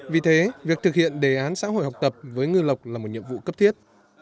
vì thế việc thực hiện đề án xã hội học tập với ngư lộc là một nhiệm vụ cấp thiết